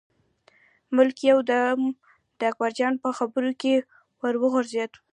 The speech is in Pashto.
ملک یو دم د اکبرجان په خبرو کې ور وغورځېد.